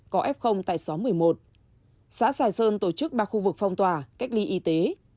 có f tại xóm một mươi một xã xà sơn tổ chức ba khu vực phong tỏa cách ly y tế